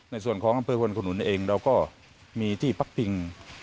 ในส่วนของกำพื้นคนขนุนเองเราก็มีที่ปั๊กปิง